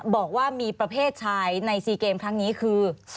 บอกว่ามีประเภทชายใน๔เกมครั้งนี้คือ